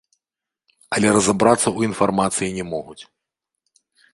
Але разабрацца ў інфармацыі не могуць.